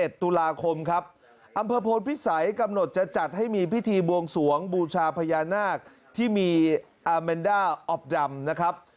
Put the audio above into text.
หลามโผล่พิสัยกำหนดจะจัดให้มีพิธีบวงสวงบูชาพญานาคที่มีอาเมนด้าออฟดัมนะครับ